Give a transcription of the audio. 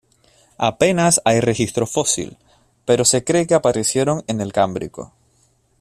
Apenas hay registro fósil, pero se cree que aparecieron en el Cámbrico.